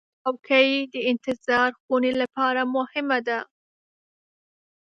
چوکۍ د انتظار خونې لپاره مهمه ده.